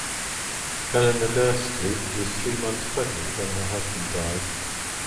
Eleanor Gerstley was three months pregnant when her husband died.